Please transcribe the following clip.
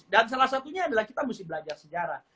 dan salah satunya adalah kita mesti belajar sejarah